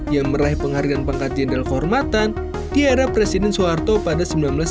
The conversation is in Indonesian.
yang meraih penghargaan pangkat jenderal kehormatan di era presiden soeharto pada seribu sembilan ratus sembilan puluh